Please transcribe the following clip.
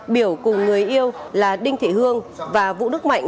biểu cùng người yêu là đinh thị hương và vũ đức mạnh